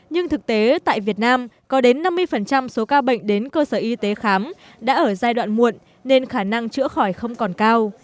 nhưng thực tế tại việt nam có đến năm mươi số ca bệnh đến cơ sở y tế khám đã ở giai đoạn muộn nên khả năng chữa khỏi không còn cao